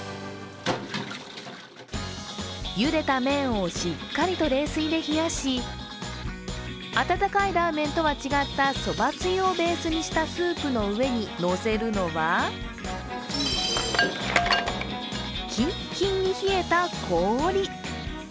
ゆでた麺をしっかりと冷水で冷やし、温かいラーメンとは違ったそばつゆをベースにしたスープの上に乗せるのはキンキンに冷えた氷。